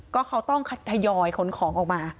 ก็เขาต้องทยอยขนของออกมา